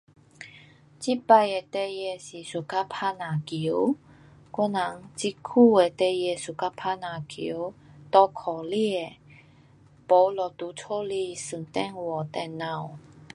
这次的孩儿是 suka 打篮球，我人这久的孩儿 suka 打篮球，骑脚车，没他们在家里玩电话，电脑。